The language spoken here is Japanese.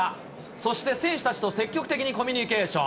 そして選手たちと積極的にコミュニケーション。